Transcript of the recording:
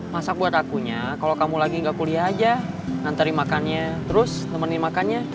masak buat akunya kalo kamu lagi gak kuliah aja nanti nikmakannya terus nemenin makannya